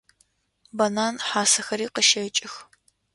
Банан хьасэхэри къыщэкӏых.